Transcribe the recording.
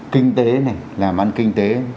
kinh tế này làm ăn kinh tế